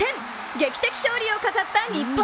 劇的勝利を飾った日本。